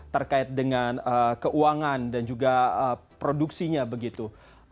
terkait dengan keuangan dan juga produksinya begitu